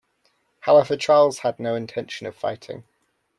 However, Charles had no intention of fighting.